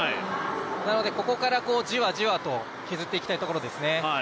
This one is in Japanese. なので、ここからじわじわと削っていきたいところですね。